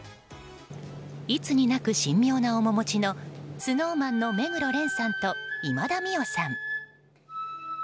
いつになく神妙な面持ちのＳｎｏｗＭａｎの目黒蓮さんと今田美桜さん。